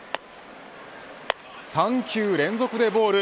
３球連続でボール。